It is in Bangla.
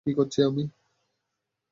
কী করছি আমি?